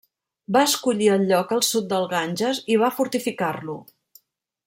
Va escollir el lloc al sud del Ganges i va fortificar-lo.